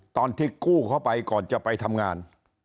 ตอนที่กู้เข้าไปก่อนจะไปทำงาน